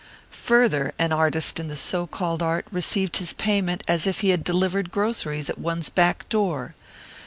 Further, an artist in the so called art received his payment as if he had delivered groceries at one's back door.